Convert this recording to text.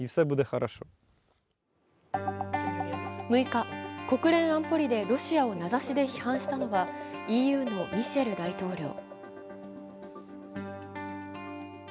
６日、国連安保理でロシアを名指しで批判したのはＥＵのミシェル大統領。